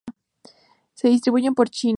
Se distribuyen por China.